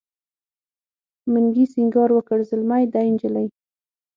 منګي سینګار وکړ زلمی دی نجلۍ